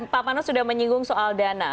pak panas sudah menyinggung soal dana